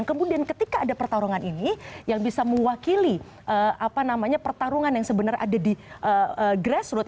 kemudian ketika ada pertarungan ini yang bisa mewakili pertarungan yang sebenarnya ada di grassroot